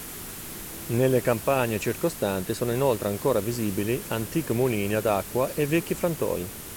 Nelle campagne circostanti sono inoltre ancora visibili antichi mulini ad acqua e vecchi frantoi.